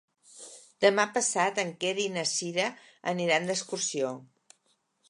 Demà passat en Quer i na Cira aniran d'excursió.